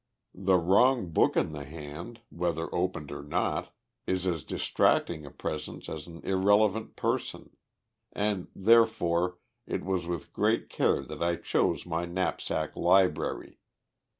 The wrong book in the hand, whether opened or not, is as distracting a presence as an irrelevant person; and therefore it was with great care that I chose my knapsack library.